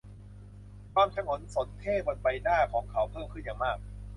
ความฉงนสนเท่ห์บนใบหน้าของเขาเพิ่มขึ้นอย่างมาก